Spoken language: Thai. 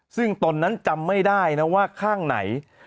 ซึ่งตนนั้นจำไม่ได้นะว่าข้างไหน